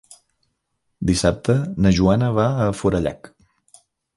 Dissabte na Joana va a Forallac.